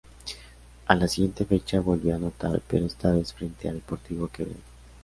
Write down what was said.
A la siguiente fecha volvió a anotar pero esta vez frente a Deportivo Quevedo.